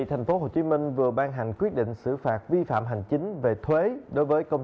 thành phố hồ chí minh vừa ban hành quyết định xử phạt vi phạm hành chính về thuế đối với công